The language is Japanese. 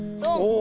お。